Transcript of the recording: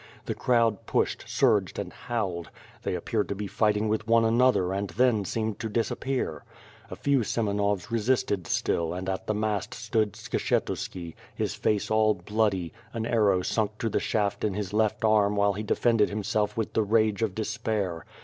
The crowd pushed, surs^ed and howled; they appeared to be fighting with one another and then seemed to disappear. A few Semenovs resisted still and at the mast stood Skshetuski, his face all bloodv, an arrow sunk to the shaft in his left arm while he defended himself with the rage of despair.